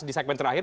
di segmen terakhir